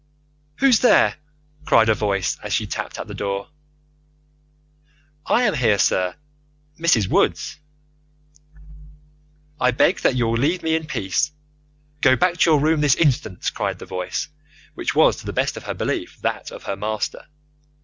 "Who's there?" cried a voice, as she tapped at the door. "I am here, sir Mrs. Woods." "I beg that you will leave me in peace. Go back to your room this instant!" cried the voice, which was, to the best of her belief, that of her master.